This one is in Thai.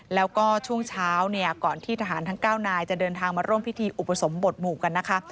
แล้วก็ช่วงเช้าเนี่ยก่อนที่ทหารทั้ง๙นายจะเดินทางมาร่วมพิธีอุปสมบทหมู่กันนะคะ